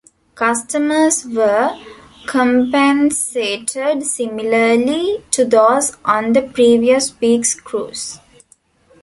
Customers were compensated similarly to those on the previous weeks cruise.